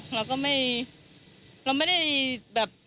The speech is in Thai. เราก็ไม่เราไม่ได้แบบ